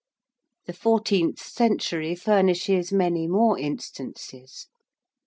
The fourteenth century furnishes many more instances.